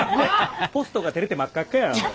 ポストがてれて真っ赤っかや。